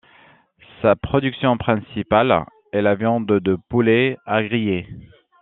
Sa production principale est la viande de poulet à griller.